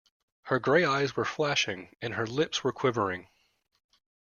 Her gray eyes were flashing, and her lips were quivering.